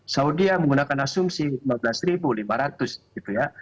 saudi menggunakan asumsi lima belas lima ratus gitu ya